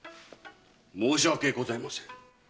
申し訳ございません。